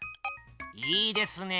いいですねえ。